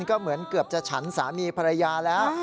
ก็เหมือนเกือบจะฉันสามีภรรยาแล้ว